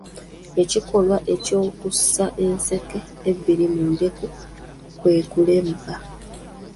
Ekikolwa ekyokussa enseke ebbiri mu ndeku kwe kulemba.